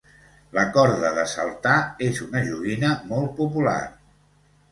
La corda de saltar és una joguina molt popular.